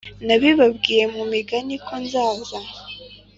nabibabwiriye mu migani ko nzaza